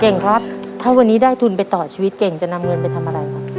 ครับถ้าวันนี้ได้ทุนไปต่อชีวิตเก่งจะนำเงินไปทำอะไรครับ